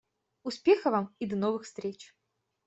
Успеха Вам, и до новых встреч.